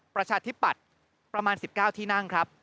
ประชาธิปัตย์ประมาณ๑๙ที่นั่งครับ